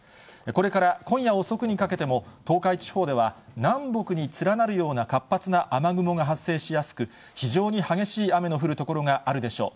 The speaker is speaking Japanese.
これから今夜遅くにかけても、東海地方では南北につらなるような活発な雨雲が発生しやすく、非常に激しい雨の降る所があるでしょう。